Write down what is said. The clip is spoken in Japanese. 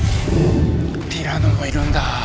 ティラノもいるんだ。